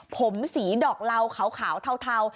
ผมสีดอกเหล่าขาวเทา